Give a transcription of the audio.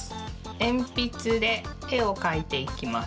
えんぴつでえをかいていきます。